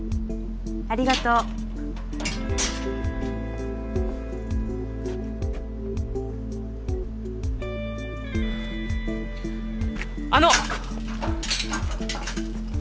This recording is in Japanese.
ありがとうあの！